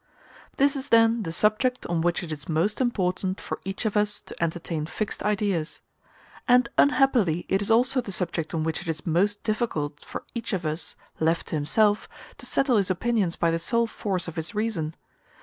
This is then the subject on which it is most important for each of us to entertain fixed ideas; and unhappily it is also the subject on which it is most difficult for each of us, left to himself, to settle his opinions by the sole force of his reason.